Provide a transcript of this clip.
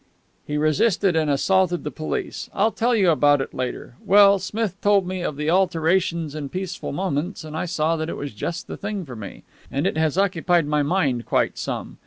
"He resisted and assaulted the police. I'll tell you about it later. Well, Smith told me of the alterations in Peaceful Moments, and I saw that it was just the thing for me. And it has occupied my mind quite some.